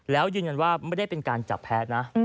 แล้วยืนยันว่าไม่ได้เป็นการจับแพ้นะ